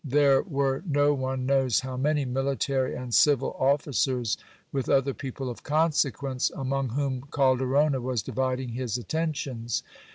There were no one knows how many military and civil officers, with other people of consequence, among whom Calderona was dividing his attentions.